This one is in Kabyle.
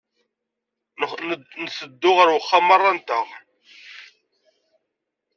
Nteddu ɣer uxxam merra-nteɣ.